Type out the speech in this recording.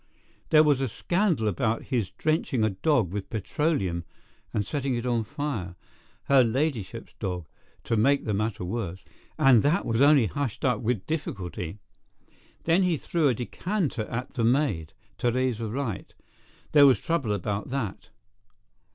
There was a scandal about his drenching a dog with petroleum and setting it on fire—her ladyship's dog, to make the matter worse—and that was only hushed up with difficulty. Then he threw a decanter at that maid, Theresa Wright—there was trouble about that.